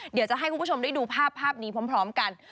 เดี๋ยวจะให้คุณผู้ชมได้ดูภาพนี้พร้อมกัน